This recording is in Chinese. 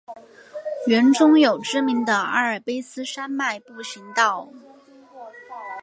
园中有知名的阿尔卑斯山脉步行道。